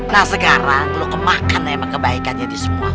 nah sekarang lo kemakan emang kebaikannya di semua